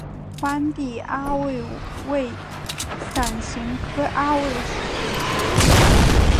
荒地阿魏为伞形科阿魏属的植物。